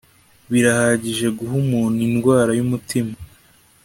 birahagije guha umuntu indwara yumutima